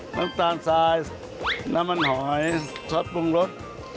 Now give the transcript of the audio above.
น้ำตาลทรายน้ำมันหอยซอสปรุงรส